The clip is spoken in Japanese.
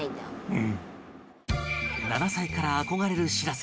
７歳から憧れる「しらせ」